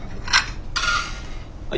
はい。